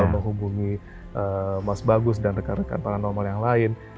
menghubungi mas bagus dan rekan rekan paranormal yang lain